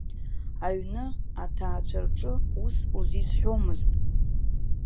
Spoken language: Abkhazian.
Аҩны, аҭаацәа рҿы ус узизҳәомызт.